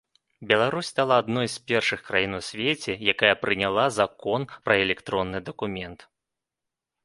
Беларусь стала адной з першых краін у свеце, якая прыняла закон пра электронны дакумент.